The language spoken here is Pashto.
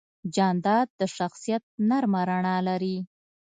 جانداد د شخصیت نرمه رڼا لري.